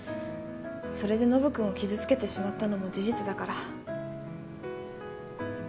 それでノブ君を傷つけてしまったのも事実だから。